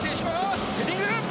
ヘディング！